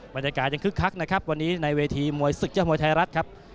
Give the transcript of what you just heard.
บรรยากาศยังคึกคักนะครับวันนี้ในเวทีมวยศึกยอดมวยไทยรัฐครับ